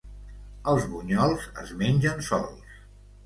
Els bunyols es mengen sols.